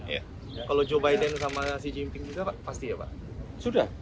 sama xi jinping juga pak pasti ya pak